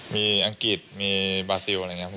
มีอังกฤษมีบาซิลอะไรอย่างนี้